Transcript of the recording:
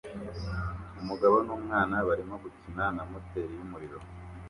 Umugabo n'umwana barimo gukina na moteri yumuriro